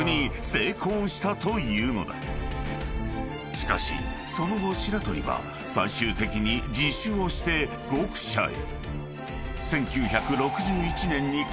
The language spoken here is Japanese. ［しかしその後白鳥は最終的に自首をして獄舎へ］